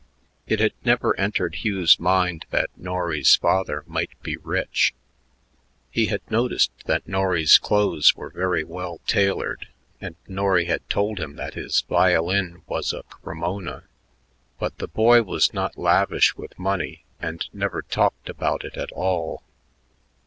It had never entered Hugh's mind that Norry's father might be rich. He had noticed that Norry's clothes were very well tailored, and Norry had told him that his violin was a Cremona, but the boy was not lavish with money and never talked about it at all.